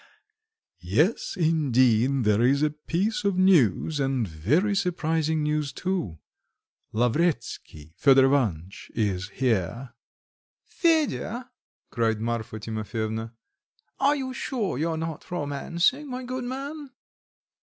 yes, indeed, there is a piece of news, and very surprising news too. Lavretsky Fedor Ivanitch is here." "Fedya!" cried Marfa Timofyevna. "Are you sure you are not romancing, my good man?"